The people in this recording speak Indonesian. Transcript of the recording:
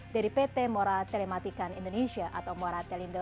dari pt morat telematikan indonesia atau morat telindo